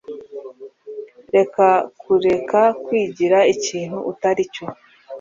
Reka kureka kwigira ikintu utari cyo.